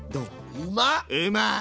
うまい！